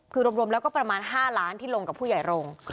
คือรวมแล้วก็ประมาณ๕ล้านที่ลงกับผู้ใหญ่ลง